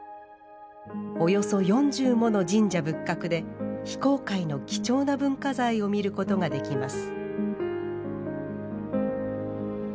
およそ４０もの神社仏閣で非公開の貴重な文化財を見ることができます。